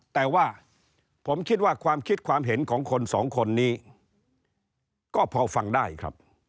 แต่ว่าผมคิดว่าความคิดความเห็นของคนสองคนนี้ก็พอฟังได้ครับ